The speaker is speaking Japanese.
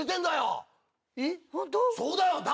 そうだよ。